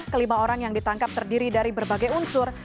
kelima orang yang ditangkap terdiri dari berbagai unsur